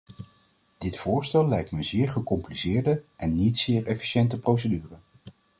Dit voorstel lijkt me een zeer gecompliceerde en niet zeer efficiënte procedure.